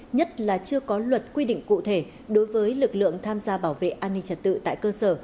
nhất là chưa có luật quy định cụ thể đối với lực lượng tham gia bảo vệ an ninh trật tự tại cơ sở